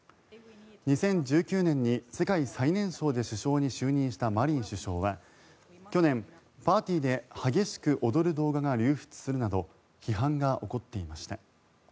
２０１９年に世界最年少で首相に就任したマリン首相は去年、パーティーで激しく踊る動画が流出するなど批判が起こっていました。